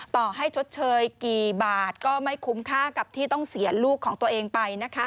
ต่อให้ชดเชยกี่บาทก็ไม่คุ้มค่ากับที่ต้องเสียลูกของตัวเองไป